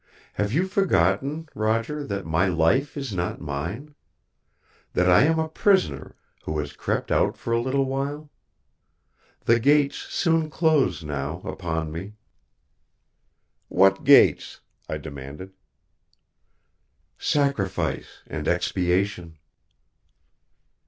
Have you forgotten, Roger, that my life is not mine? That I am a prisoner who has crept out for a little while? The gates soon close, now, upon me." "What gates?" I demanded. "Sacrifice and expiation."